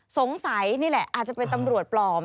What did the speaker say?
สงสัยนี่แหละอาจจะเป็นตำรวจปลอม